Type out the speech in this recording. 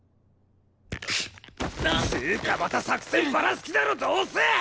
つうかまた作戦バラす気だろどうせ！